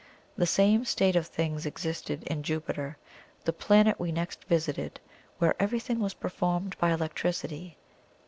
The same state of things existed in Jupiter, the planet we next visited, where everything was performed by electricity.